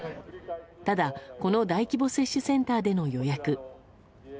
ただ、この大規模接種センターでの予約。